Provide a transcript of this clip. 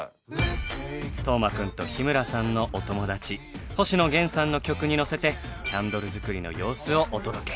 斗真くんと日村さんのお友達星野源さんの曲にのせてキャンドル作りの様子をお届け。